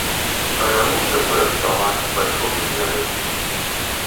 Павярнуўся той ад стала і пайшоў да дзвярэй.